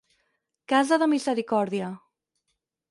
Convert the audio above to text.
Casa de misericòrdia.